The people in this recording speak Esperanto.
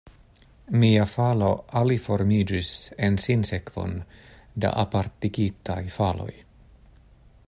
Mia falo aliformiĝis en sinsekvon da apartigitaj faloj.